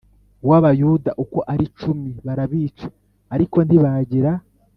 w Abayuda uko ari icumi barabica ariko ntibagira